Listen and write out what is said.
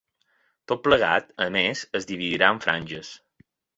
Tot plegat, a més, es dividirà en franges.